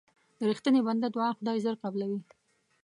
د رښتیني بنده دعا خدای ژر قبلوي.